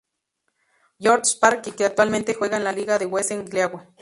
George's Park" y que actualmente juega en la liga de Wessex League.